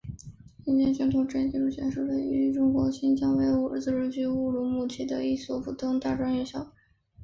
新疆交通职业技术学院是位于中国新疆维吾尔自治区乌鲁木齐市的一所普通大专院校。